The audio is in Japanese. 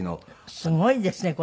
すごいですねこれ。